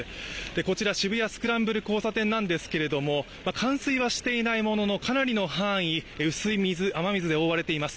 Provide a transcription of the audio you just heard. こちら渋谷スクランブル交差点なんですが冠水はしていないもののかなりの範囲、薄い雨水で覆われています